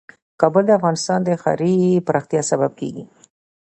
کابل د افغانستان د ښاري پراختیا سبب کېږي.